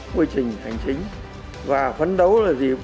quy trình hành chính và phấn đấu là gì